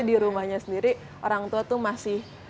di rumahnya sendiri orang tua tuh masih